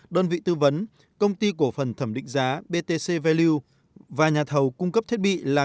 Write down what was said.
đơn vị tư vấn công ty cổ phần thẩm định giá btc value và nhà thầu cung cấp thiết bị là